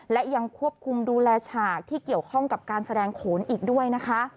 และยังควบคุมดูแลฉากที่เกี่ยวข้องกับการแสดงโขนอีกด้วยนะคะ